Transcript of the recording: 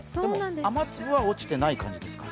でも雨粒は落ちてない感じですか？